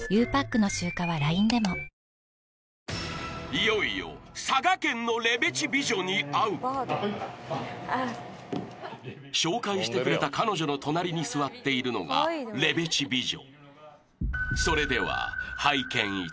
いよいよ紹介してくれた彼女の隣に座っているのがレベチ美女